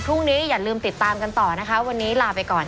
อย่าลืมติดตามกันต่อนะคะวันนี้ลาไปก่อน